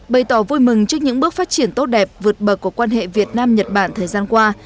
bày tỏ vui mừng trước những bước phát triển tốt đẹp vượt bậc của quan hệ việt nam nhật bản thời gian qua